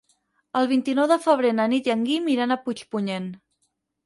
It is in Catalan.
El vint-i-nou de febrer na Nit i en Guim iran a Puigpunyent.